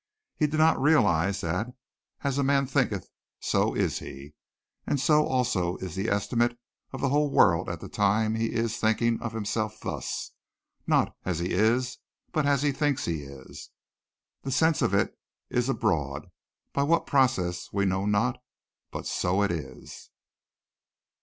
He did not realize that "as a man thinketh so is he," and so also is the estimate of the whole world at the time he is thinking of himself thus not as he is but as he thinks he is. The sense of it is abroad by what processes we know not, but so it is.